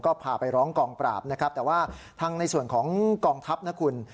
ก็พาไปร้องกองปราบนะครับแต่ว่าทางในส่วนของกองทัพนะคุณ